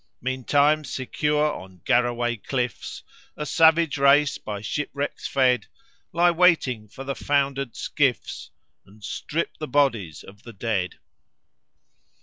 Meantime, secure on Garraway cliffs, A savage race, by shipwrecks fed, Lie waiting for the foundered skiffs, And strip the bodies of the dead."